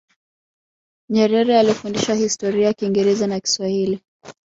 nyerere alifundisha historia kingereza na kiswahili